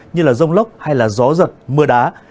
như là rông lốc hay là gió giật mưa đá